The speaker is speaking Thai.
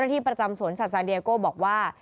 ที่ประจำสวนสัตว์ซาเดียโก้บอกว่า